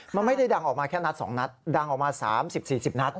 มันไม่ได้ดังออกมาแค่นัดสองนัดดังออกมาสามสิบสี่สิบนัด